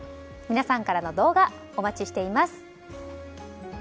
皆さんからの動画お待ちしています。